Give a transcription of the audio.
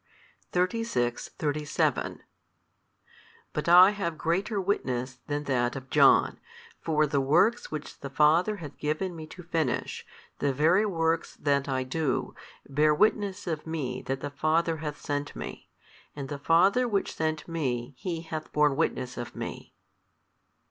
|292 36,37 But I have greater witness than that of John; for the works which the Father hath given Me to finish, the very works that I do, bear witness of Me that the Father hath sent Me: and the Father Which sent Me HE hath borne witness of Me.